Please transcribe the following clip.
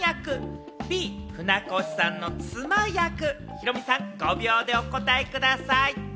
ヒロミさん５秒でお答えください。